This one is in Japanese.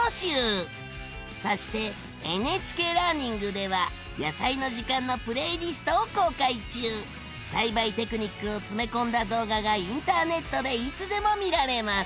そしてＮＨＫラーニングでは「やさいの時間」のプレイリストを公開中！栽培テクニックを詰め込んだ動画がインターネットでいつでも見られます！